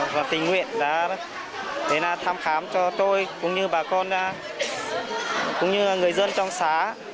và tình nguyện đã thăm khám cho tôi bà con người dân trong xã